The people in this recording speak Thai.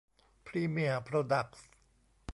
พรีเมียร์ โพรดักส์